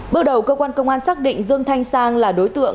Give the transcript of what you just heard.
bước đầu cơ quan công an xác định dương thanh sang là đối tượng